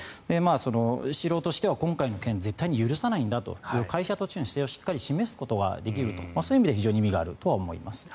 スシローとしては今回の件絶対に許さないんだと会社としての姿勢を示すことができるとそういう意味では意味があると思います。